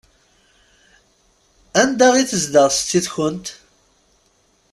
Anda i tezdeɣ setti-tkent?